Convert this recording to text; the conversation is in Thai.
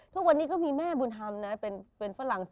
ทุกวันนี้ก็มีแม่บุญธรรมนะเป็นฝรั่ง